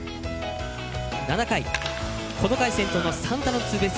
７回、この回先頭のサンタナのツーベース